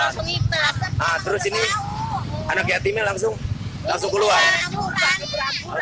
langsung hitam nah terus ini anak yatimnya langsung keluar ya